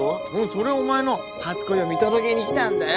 それはお前の初恋を見届けに来たんだよ！